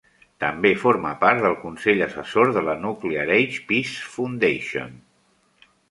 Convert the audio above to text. També forma part del Consell Assessor de la Nuclear Age Peace Foundation.